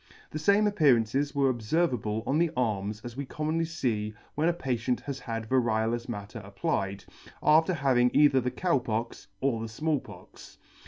The fame appearances were obferv able on the arms as we commonly fee when a patient has had variolous matter applied, after having either the Cow Pox or the Small Pox.